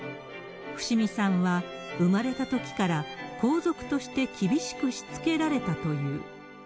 伏見さんは生まれたときから、皇族として厳しくしつけられたという。